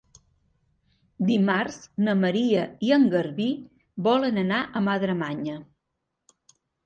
Dimarts na Maria i en Garbí volen anar a Madremanya.